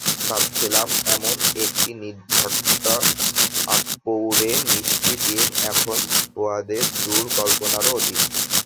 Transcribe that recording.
ভাবছিলাম, এমন একটা নির্ঝঞ্ঝাট, আটপৌরে মিষ্টি দিন এখন ফুয়াদের দূর কল্পনারও অতীত।